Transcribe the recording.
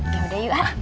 yaudah yuk ah